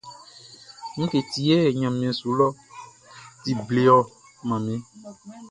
Ngue ti yɛ ɲanmiɛn su lɔʼn ti ble ɔ, manmi?